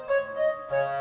ada lu mai